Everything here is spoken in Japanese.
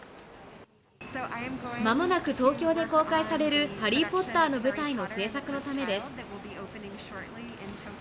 まもなく東京で公開されるハリー・ポッターの舞台の制作のためです。